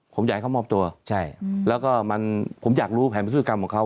ผมอยากให้เขามอบตัวใช่แล้วก็มันผมอยากรู้แผนพฤติกรรมของเขา